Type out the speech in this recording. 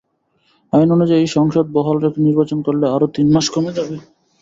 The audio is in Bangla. আইন অনুযায়ী সংসদ বহাল রেখে নির্বাচন করলে আরও তিন মাস কমে যাবে।